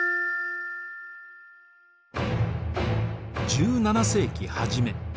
１７世紀初め